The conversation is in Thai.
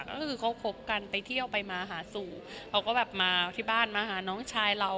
ก็คือเขาคบกันไปเที่ยวไปมาหาสู่เขาก็แบบมาที่บ้านมาหาน้องชายเรา